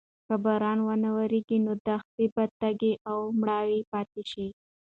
که باران ونه وریږي نو دښتې به تږې او مړاوې پاتې شي.